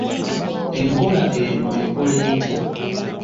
Enkola eno ekola etya?